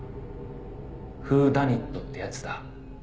「フーダニットってやつだ」